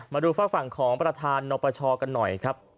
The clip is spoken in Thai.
มาดูฝากฝั่งของประธานนปชกันหน่อยครับ